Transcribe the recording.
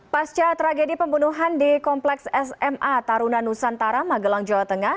pasca tragedi pembunuhan di kompleks sma taruna nusantara magelang jawa tengah